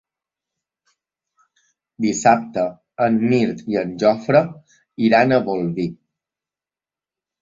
Dissabte en Mirt i en Jofre iran a Bolvir.